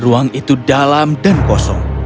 ruang itu dalam dan kosong